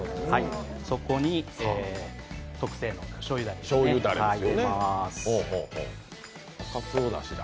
そこに特製のしょうゆだれを入れていきます。